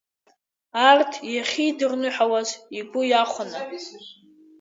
Арҭ иахьидырныҳәалаз, игәы иахәаны…